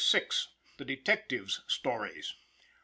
THE DETECTIVES' STORIES.